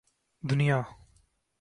دنیا